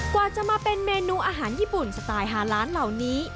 กว่าจะมาเป็นเมนูอาหารญี่ปุ่นสไตล์ฮาล้านเหล่านี้